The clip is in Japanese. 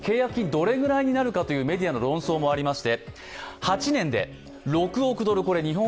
どれくらいになるかというメディアの論争もあります。